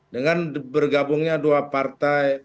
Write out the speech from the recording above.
dengan bergabungnya dua partai